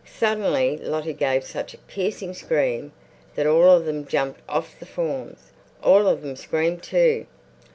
Suddenly Lottie gave such a piercing scream that all of them jumped off the forms, all of them screamed too.